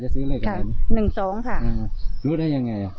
อ้าวรู้ได้ยังไง